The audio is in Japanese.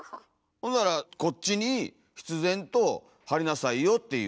ほんならこっちに必然と貼りなさいよっていう。